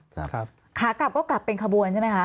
ขากลับก็กลับเป็นขบวนใช่ไหมคะ